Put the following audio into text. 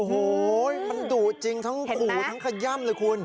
โอ้โหมันดุจริงทั้งขู่ทั้งขย่ำเลยคุณ